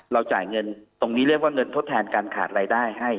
จ่ายเงินตรงนี้เรียกว่าเงินทดแทนการขาดรายได้ให้